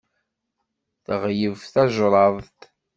Teɣleb tajṛadt.